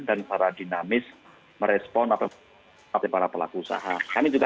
dan para dinamis merespon apapun dari para pelaku usaha